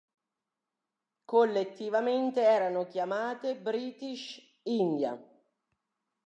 Collettivamente erano chiamate British India.